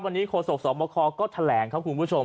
วันนี้โฆษกสอบคอก็แถลงครับคุณผู้ชม